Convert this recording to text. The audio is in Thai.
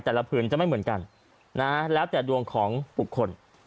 แต่ละพื้นจะไม่เหมือนกันแล้วแต่ดวงของบุคคล